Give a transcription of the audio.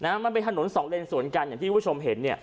มันเป็นถนน๒เลนส์ส่วนกันอย่างที่คุณผู้ชมเห็น